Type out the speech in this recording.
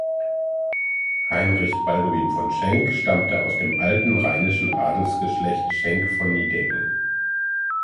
Heinrich Balduin von Schenck stammte aus dem alten rheinischen Adelsgeschlecht Schenk von Nideggen.